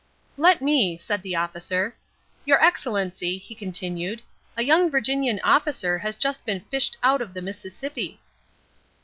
"Let me," said the officer. "Your Excellency," he continued, "a young Virginian officer has just been fished out of the Mississippi."